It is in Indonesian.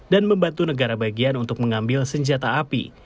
dan membantu negara bagian untuk mengambil senjata api